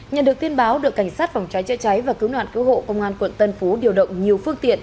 nhận được tin báo được cảnh sát phòng cháy chạy cháy và cứu nạn cứu hộ công an tp hcm điều động nhiều phương tiện